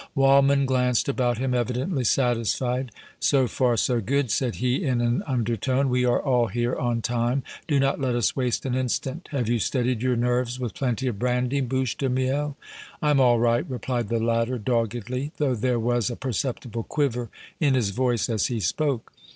Waldmann glanced about him, evidently satisfied. "So far so good," said he, in an undertone. "We are all here on time. Do not let us waste an instant. Have you steadied your nerves with plenty of brandy, Bouche de Miel?" "I'm all right," replied the latter, doggedly, though there was a perceptible quiver in his voice as he spoke.